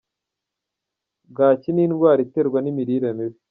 bwacyi ni indwara iterwa nimirire mibi